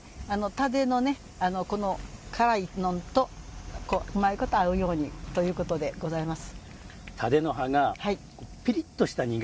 蓼の辛いのんとうまいこと合うようにということでございます。